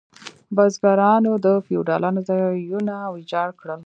بزګرانو د فیوډالانو ځایونه ویجاړ کړل.